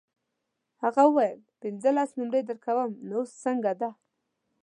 هغه وویل پنځلس نمرې درکوم نو اوس څنګه ده.